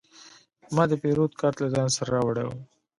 ما د پیرود کارت له ځان سره راوړی و.